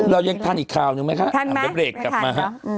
เรายังทันอีกคราวนึงไหมคะ